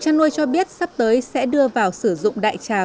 chúng ta có thể nhỏ nước tiểu của gia súc có sử dụng chất cấm